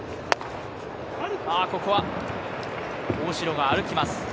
ここは大城が歩きます。